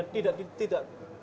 tidak tidak tidak